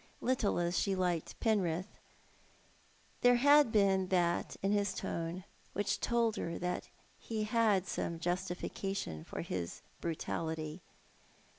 Little as she liked Penrith, there had been that in his tone which told her he had some justification for his brutality.